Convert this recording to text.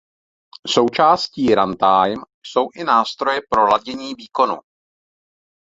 Součástí runtime jsou i nástroje pro ladění výkonu.